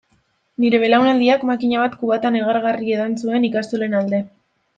Nire belaunaldiak makina bat kubata negargarri edan zuen ikastolen alde.